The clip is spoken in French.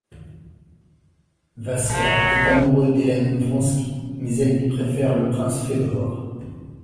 Vassia est amoureux d'Hélène Vronsky, mais elle lui préfère le prince Fedor.